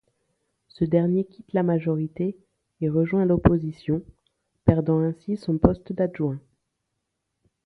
Ce dernier quitte la majorité et rejoint l'opposition, perdant ainsi son poste d'adjoint.